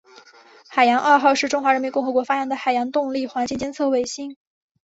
海洋二号是中华人民共和国发展的海洋动力环境监测卫星。